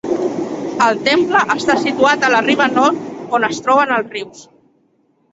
El temple està situat a la riba nord on es troben els rius.